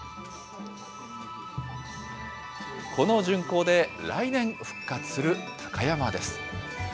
この巡行で、来年、復活する鷹山です。